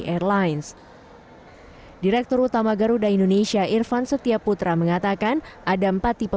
airlines direktur utama garuda indonesia irfan setia putra mengatakan ada empat tipe